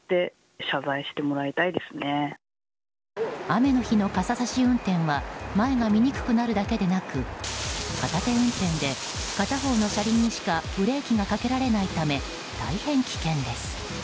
雨の日の傘さし運転は前が見にくくなるだけでなく片手運転で片方の車輪にしかブレーキがかけられないため大変危険です。